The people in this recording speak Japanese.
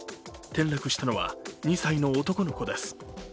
転落したのは、２歳の男の子です。